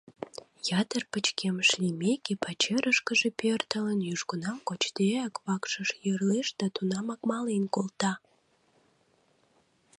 Ятыр пычкемыш лиймеке, пачерышкыже пӧртылын, южгунам кочдеак, вакшыш йӧрлеш да тунамак мален колта.